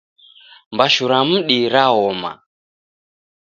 Mbashu ra mudi raoma